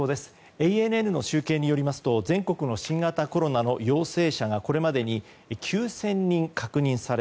ＡＮＮの集計によりますと全国の新型コロナの陽性者がこれまでに９０００人確認され